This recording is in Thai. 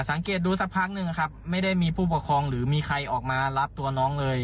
สังเกตดูสักพักหนึ่งนะครับไม่ได้มีผู้ปกครองหรือมีใครออกมารับตัวน้องเลย